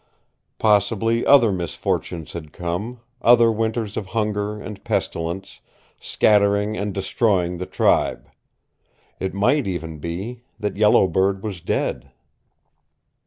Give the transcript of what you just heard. Possibly other misfortunes had come, other winters of hunger and pestilence, scattering and destroying the tribe. It might even be that Yellow Bird was dead.